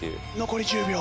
残り１０秒。